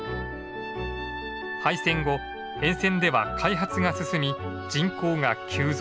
廃線後沿線では開発が進み人口が急増。